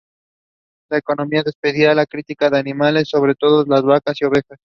La economía dependía de la cría de animales, sobre todo de vacas y ovejas.